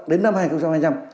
đến năm hai nghìn hai mươi năm